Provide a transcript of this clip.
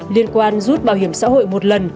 liên quan rút bảo hiểm xã hội một lần